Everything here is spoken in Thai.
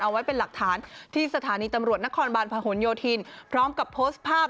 เอาไว้เป็นหลักฐานที่สถานีตำรวจนครบาลพหนโยธินพร้อมกับโพสต์ภาพ